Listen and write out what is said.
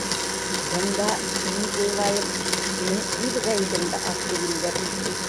Бында, мин уйлайым, һинең үҙ ғәйебең дә аҙ түгелдер.